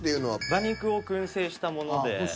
馬肉を燻製したもので。